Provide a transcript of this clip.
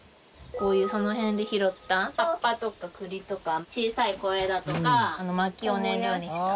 こういうその辺で拾った葉っぱとか栗とか小さい小枝とか薪を燃料に。